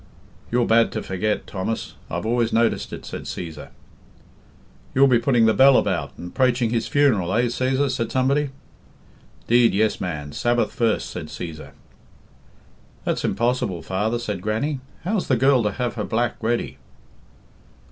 "You're bad to forget, Thomas I've always noticed it," said Cæsar. "You'll be putting the bell about, and praiching his funeral, eh, Cæsar?" said somebody. "'Deed, yes, man, Sabbath first," said Cæsar. "That's impossible, father," said Grannie. "How's the girl to have her black ready?"